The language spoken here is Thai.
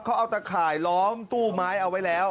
เขาเอาตะข่ายล้อมตู้ไม้เอาไว้แล้ว